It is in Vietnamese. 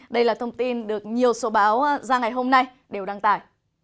đây là thông tin được nhiều số báo ra ngày hôm nay đều đăng tải